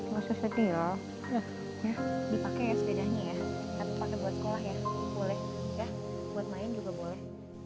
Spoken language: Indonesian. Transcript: buat sekolah ya boleh buat main juga boleh